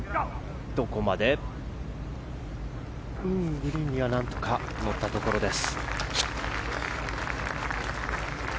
グリーンには何とか乗ったところです。